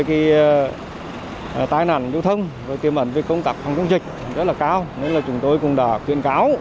cái tai nạn liễu thông về tiềm ẩn về công tác phòng dịch rất là cao nên là chúng tôi cũng đã